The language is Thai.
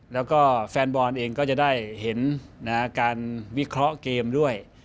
แล้วก็แฟนบอลเองก็จะได้เห็นการวิเคราะห์เกมด้วย